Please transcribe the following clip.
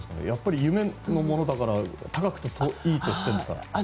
やっぱり夢のものだから高くていいとしてるのか。